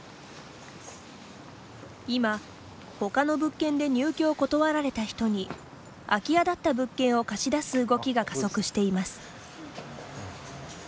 今、ほかの物件で入居を断られた人に空き家だった物件を貸し出す動きが加速しています。